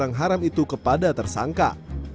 barang haram itu kepada tersangka